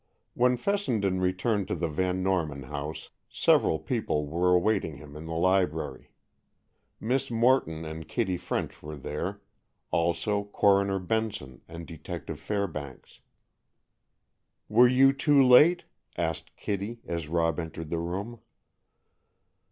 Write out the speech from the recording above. When Fessenden returned to the Van Norman house, several people were awaiting him in the library. Miss Morton and Kitty French were there, also Coroner Benson and Detective Fairbanks. "Were you too late?" asked Kitty, as Rob entered the room.